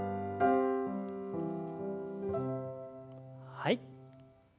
はい。